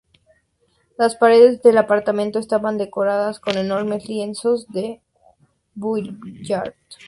Las paredes del apartamento estaban decoradas con enormes lienzos de Vuillard.